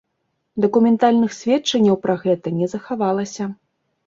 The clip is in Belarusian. Дакументальных сведчанняў пра гэта не захавалася.